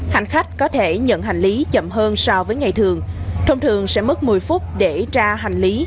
hành khách có thể nhận hành lý chậm hơn so với ngày thường thông thường sẽ mất một mươi phút để ra hành lý